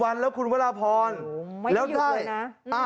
๑๐วันแล้วคุณวราพรไม่ได้หยุดเลยนะ